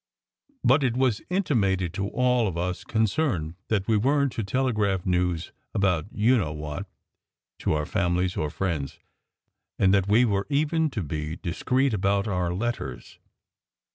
But it was intimated to all of us concerned that we weren t to telegraph news about you know what to our families or friends, and that we were even to be discreet about our letters.